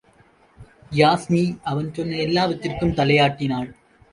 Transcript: யாஸ்மி அவன் சொன்ன எல்லாவற்றிற்கும் தலையாட்டினாள்.